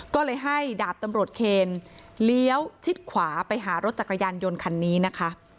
ก็เลยให้ดาบตำรวจเคนเลี้ยวชิดขวาไปหารถจักรยานยนต์คันนี้นะคะ